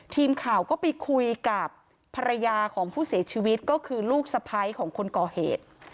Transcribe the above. ทีมข่าวก็ไปคุยกับภรรยาของผู้เสียชีวิตก็คือลูกสะพ้ายของคนก่อเหตุ